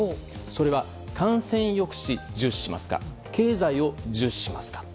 それは、感染抑止重視しますか経済を重視しますか。